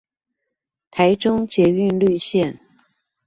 台中捷運綠綫